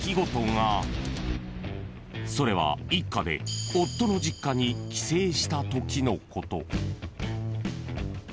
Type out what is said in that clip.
［それは一家で夫の実家に帰省したときのこと］